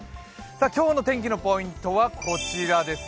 今日の天気のポイントはこちらです。